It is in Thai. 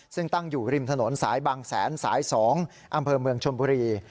ซึ่งตั้งอยู่ริมถนนสายบางแสนสาย๒อำเภอเมืองชนบุรี